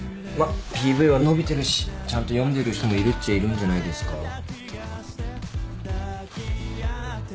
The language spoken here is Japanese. まっＰＶは伸びてるしちゃんと読んでる人もいるっちゃいるんじゃないですか？